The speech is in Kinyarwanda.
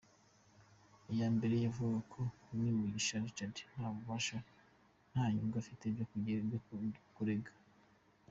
Iyambere yavugaga ko Me Mugisha Richard nta bubasha, nta n’inyungu afite byo kurega.